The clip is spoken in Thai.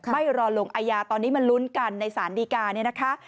ใบ่รอลงอายาตอนนี้มันลุ้นกันในสารดีการ์